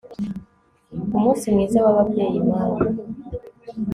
Umunsi mwiza wababyeyi Mama